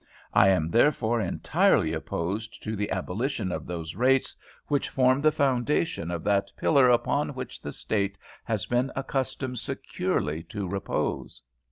I am therefore entirely opposed to the abolition of those rates which form the foundation of that pillar upon which the State has been accustomed securely to repose.